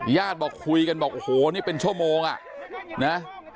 ญาติบอกคุยกันบอกโอ้โหนี่เป็นชั่วโมงอ่ะนะ